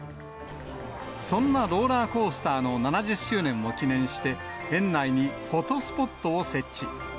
そんなローラーコースターの７０周年を記念して、園内にフォトスポットを設置。